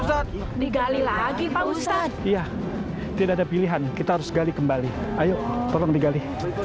ustadz digali lagi pak ustadz iya tidak ada pilihan kita harus gali kembali ayo tolong digali